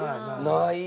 ない。